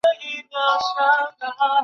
于唐奥方。